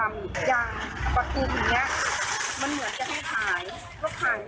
มันเหมือนจะทานขาย